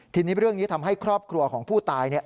ทีนี้เรื่องนี้ทำให้ครอบครัวของผู้ตายเนี่ย